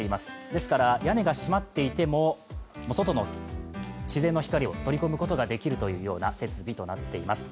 ですから屋根が閉まっていても外の自然の光を取り込むことができるというような設備となっています。